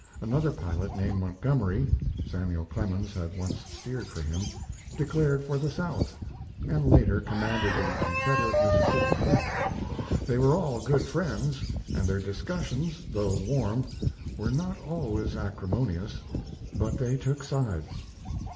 Another pilot named Montgomery (Samuel Clemens had once steered for him) declared for the South, and later commanded the Confederate Mississippi fleet. They were all good friends, and their discussions, though warm, were not always acrimonious; but they took sides.